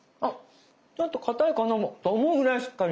ちょっとかたいかなと思うぐらいしっかりしてる。